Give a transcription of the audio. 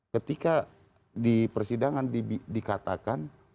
ketika di persidangan dikatakan